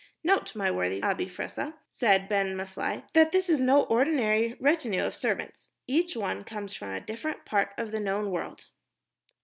"Note, my worthy Abi Fressah," said Ben Maslia, "that this is no ordinary retinue of servants. Each one comes from a different part of the known world.